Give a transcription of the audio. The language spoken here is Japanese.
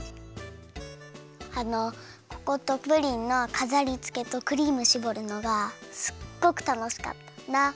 あのココットプリンのかざりつけとクリームしぼるのがすっごくたのしかったんだ。